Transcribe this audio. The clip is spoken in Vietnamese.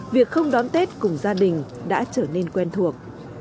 việc không đón tết cùng gia đình đã trở nên quen thuộc